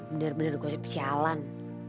bener bener gosip jalan